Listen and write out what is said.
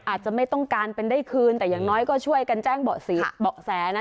อาจจะไม่ต้องการเป็นได้คืนแต่อย่างน้อยก็ช่วยกันแจ้งเบาะแสนะ